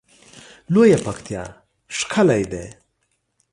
لویه پکتیا ښکلی ده